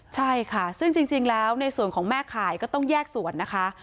ใช่ค่ะซึ่งจริงแล้วในส่วนของแม่ขายก็ต้องแยกส่วนนะคะ